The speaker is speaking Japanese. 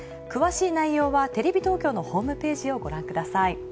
詳しい内容はテレビ東京のホームページをご覧ください。